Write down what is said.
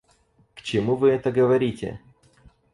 К чему вы это говорите?